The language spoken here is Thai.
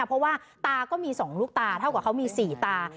เพราะว่าตาก็มี๒ลูกตาเท่ากับเขามี๔ตา